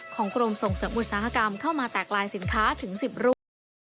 กรมส่งเสริมอุตสาหกรรมเข้ามาแตกลายสินค้าถึง๑๐รูป